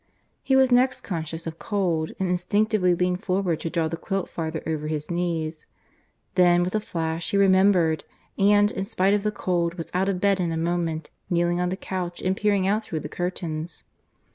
He was next conscious of cold, and instinctively leaned forward to draw the quilt farther over his knees. Then, with a flash, he remembered, and, in spite of the cold, was out of bed in a moment, kneeling on the couch and peering out through the curtains.